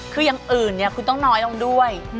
คืออย่างอื่นเนี่ยคุณต้องน้อยลงด้วย